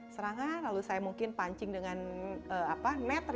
serangan lalu saya mungkin pancing dengan meter